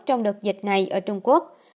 trong đợt dịch này ở trung quốc